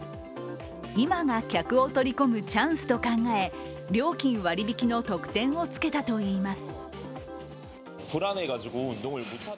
今が客を取り込むチャンスと考え、料金割り引きの特典をつけたといいます。